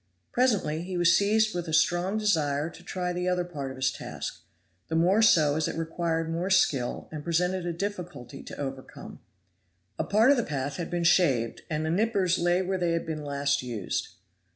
Presently he was seized with a strong desire to try the other part of his task, the more so as it required more skill and presented a difficulty to overcome. A part of the path had been shaved and the knippers lay where they had been last used.